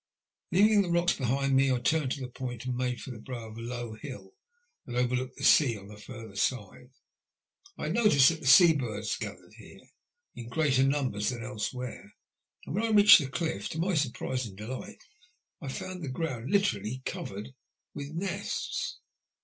Leaving the rocks behind me, I turned the point and made for. the brow of a low hill that overlooked the sea on the further side. I had noticed that the sea birds gathered here in greater numbers than else where, and when I reached the cliff, to my surprise and delight, I found the ground literally covered with nests.